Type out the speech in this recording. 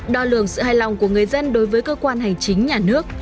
đo lường sự hài lòng của người dân đối với cơ quan hành chính nhà nước